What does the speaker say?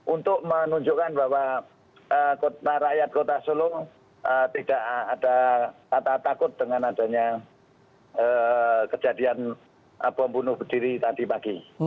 untuk menunjukkan bahwa rakyat kota solo tidak ada kata takut dengan adanya kejadian bom bunuh berdiri tadi pagi